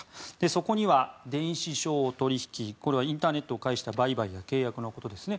そこには電子商取引、これはインターネットを介した売買や契約のことですね。